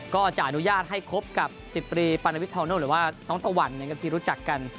ก็จะอนุญาตให้คบกับซิปรีปานาวิททราโน่หรือว่าน้องตะวันที่รู้จักกัน